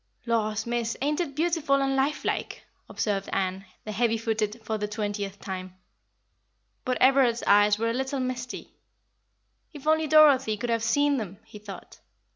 "Laws, miss, ain't it beautiful and like life?" observed Ann, the heavy footed, for the twentieth time. But Everard's eyes were a little misty. If only Dorothy could have seen them! he thought.